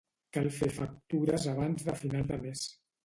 Cal fer factures abans de final de mes